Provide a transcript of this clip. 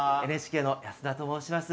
ＮＨＫの安田と申します。